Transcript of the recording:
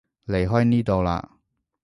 離開呢度啦